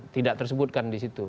tidak tersebutkan di situ